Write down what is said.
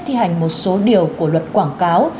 thi hành một số điều của luật quảng cáo